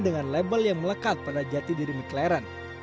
dengan label yang melekat pada jati diri mclaren